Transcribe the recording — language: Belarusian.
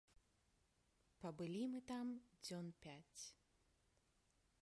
Пабылі мы там дзён пяць.